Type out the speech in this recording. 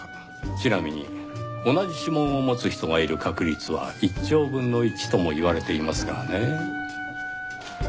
ちなみに同じ指紋を持つ人がいる確率は１兆分の１とも言われていますがねぇ。